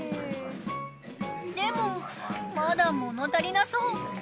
でもまだ物足りなそう。